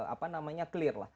apa namanya clear lah